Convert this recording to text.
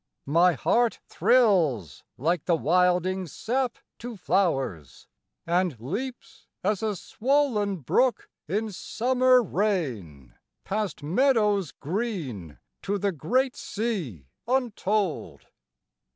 My heart thrills like the wilding sap to flowers, And leaps as a swoln brook in summer rain Past meadows green to the great sea untold.